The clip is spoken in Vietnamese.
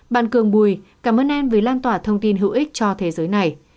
bạn cường bùi cảm ơn em vì lan tỏa thông tin hữu ích cho thế giới này